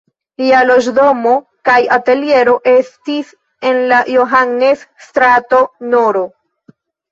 Lia loĝdomo kaj ateliero estis en la Johannes-strato nr.